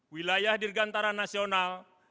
wilayah dirgantara nasional